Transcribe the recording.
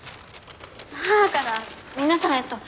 母から皆さんへと！